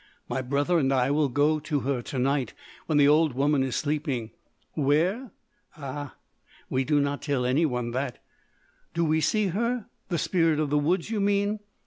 My brother and I will go to her to night when the old woman is sleeping. Where? Ah! we do not tell anyone that. Do we see her? The spirit of the woods, you mean?